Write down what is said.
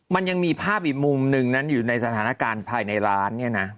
มันยังมีภาพอีกมุมหนึ่งนั้นอยู่ในสถานการณ์ภายในร้านเนี่ยนะ